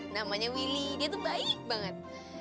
namanya willy dia tuh baik banget